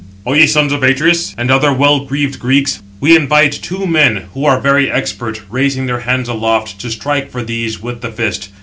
"O ye sons of Atreus, and other well greaved Greeks, we invite two men, who are very expert, raising their hands aloft, to strike for these with the fist.